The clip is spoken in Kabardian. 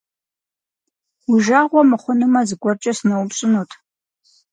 Уи жагъуэ мыхъунумэ, зыгуэркӀэ сыноупщӀынут.